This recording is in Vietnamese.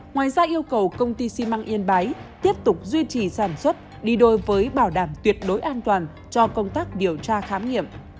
ngoài ra yêu cầu công ty xi măng yên bái tiếp tục duy trì sản xuất đi đôi với bảo đảm tuyệt đối an toàn cho công tác điều tra khám nghiệm